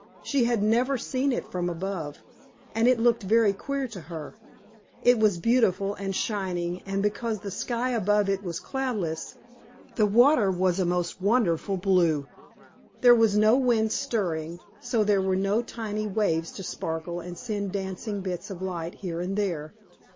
She had never seen it from above, and it looked very queer to her. It was beautiful and shining, and, because the sky above it was cloudless, the water was a most wonderful blue. There was no wind stirring, so there were no tiny waves to sparkle and send dancing bits of light here and there.